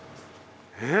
えっ。